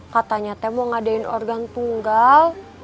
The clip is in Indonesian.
katanya teh mau ngadain organ tunggal